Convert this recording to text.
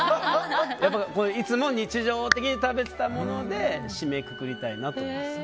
いつも日常的に食べていたもので締めくくりたいなと思います。